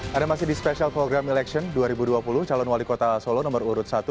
hai ada masih di special program election dua ribu dua puluh calon wali kota solo nomor urut satu